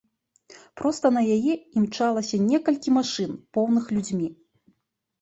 Проста на яе імчалася некалькі машын, поўных людзьмі.